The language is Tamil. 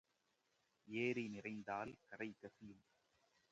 ஏரி நிறைந்தால் கரை கசியும்.